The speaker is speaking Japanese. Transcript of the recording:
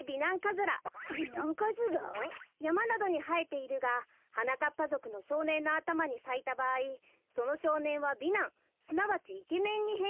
やまなどにはえているがはなかっぱぞくのしょうねんのあたまにさいたばあいそのしょうねんは美男すなわちイケメンにへんしんし。